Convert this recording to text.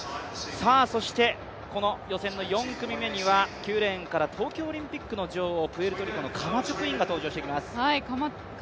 そしてこの予選の４組目には９レーンから東京オリンピックの女王、プエルトリコのカマチョクインが登場してきます。